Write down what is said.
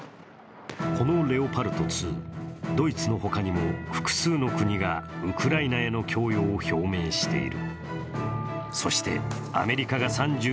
このレオパルト２、ドイツの他にも複数の国がウクライナへの供与を表明している。